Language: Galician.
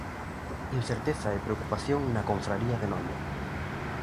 Incerteza e preocupación na confraría de Noia.